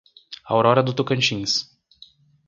Aurora do Tocantins